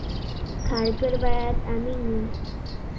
کارګر باید امین وي